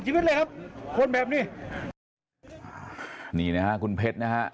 สวัสดีครับทุกคน